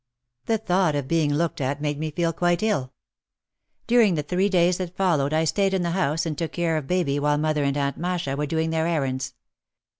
The thought of being looked at made me feel quite ill. During the three days that followed I stayed in the house and took care of baby while mother and Aunt Masha were doing their errands.